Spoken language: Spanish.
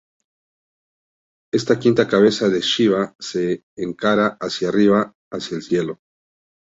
Esta quinta cabeza de Shiva se encara hacia arriba, hacia el cielo.